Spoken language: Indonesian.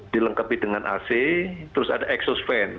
dilengkapi dengan ac terus ada exhaust fan